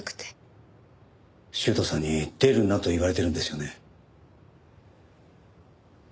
修斗さんに出るなと言われてるんですよね。